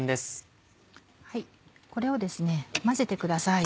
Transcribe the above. これを混ぜてください。